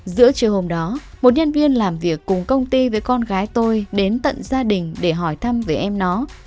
giữa chiều hôm đó một nhân viên làm việc cùng công ty với con gái tôi đến tận gia đình để hỏi thăm về em nó